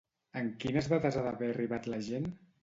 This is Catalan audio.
En quines dates ha d'haver arribat la gent?